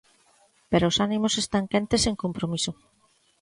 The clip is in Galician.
Pero os ánimos están quentes en Compromiso.